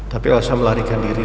tapi asal melarikan diri